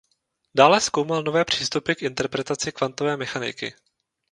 Dále zkoumal nové přístupy k interpretaci kvantové mechaniky.